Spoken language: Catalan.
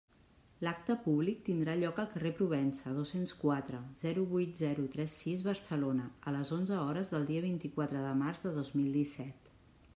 L'acte públic tindrà lloc al carrer Provença, dos-cents quatre, zero vuit zero tres sis Barcelona, a les onze hores del dia vint-i-quatre de març de dos mil disset.